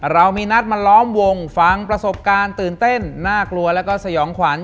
เรามีนัดมาล้อมวงฟังประสบการณ์ตื่นเต้นน่ากลัวแล้วก็สยองขวัญ